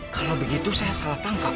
kalau begitu saya salah tangkap